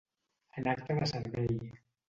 En acte de servei.